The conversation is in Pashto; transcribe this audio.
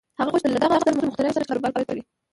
هغه غوښتل له دغه ستر مخترع سره شريک کاروبار پيل کړي.